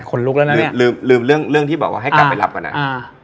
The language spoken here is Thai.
คนลุกแล้วนะลืมลืมเรื่องเรื่องที่บอกว่าให้กลับไปรับกันอ่ะอ่า